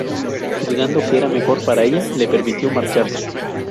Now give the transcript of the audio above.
Juzgando que era mejor para ella, le permitió marcharse.